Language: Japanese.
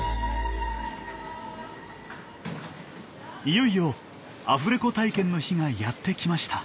いよいよアフレコ体験の日がやって来ました。